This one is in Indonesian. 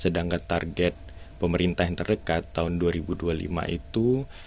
sedangkan target pemerintah yang terdekat tahun dua ribu dua puluh lima itu